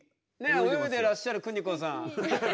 泳いでらっしゃる久仁子さん。